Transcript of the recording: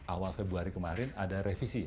awal februari kemarin ada revisi